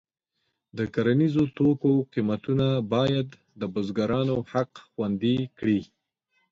د کرنیزو توکو قیمتونه باید د بزګرانو حق خوندي کړي.